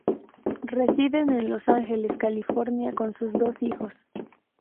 Residen en Los Ángeles, California con sus dos hijos.